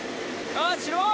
あっ白い！